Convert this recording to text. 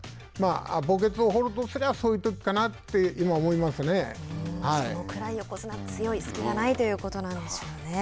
墓穴を掘るとすればそういうときかなってそのくらい横綱は強い隙がないということなんでしょうね。